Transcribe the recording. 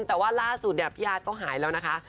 แต่ว่าล่าสุดเนี่ยพี่อาร์ตก็หายแล้วนะคะ